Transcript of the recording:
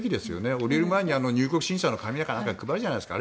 降りる前に入国審査の紙かなんかで配るじゃないですか。